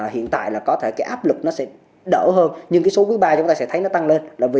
hiện tại có thể áp lực sẽ đỡ hơn nhưng số quý ba chúng ta sẽ thấy nó tăng lên